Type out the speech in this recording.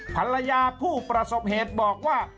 ภรรยาผู้ประสบเหตุบอกว่า